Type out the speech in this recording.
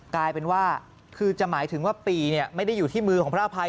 กลายเป็นว่าคือจะหมายถึงว่าปี่ไม่ได้อยู่ที่มือของพระอภัย